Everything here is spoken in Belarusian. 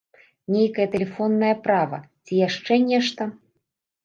Нейкае тэлефоннае права, ці яшчэ нешта?